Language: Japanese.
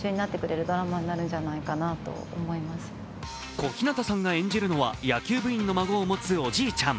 小日向さんが演じるのは野球部員の孫を持つおじいちゃん。